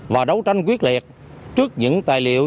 và đấu tranh quyết liệt trước những tài liệu